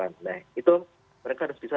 nah itu mereka harus bisa